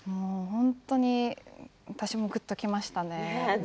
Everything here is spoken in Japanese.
私も本当に、ぐっときましたね。